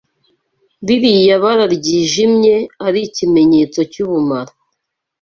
ririya bara ryijimye ari ikimenyetso cy’ubumara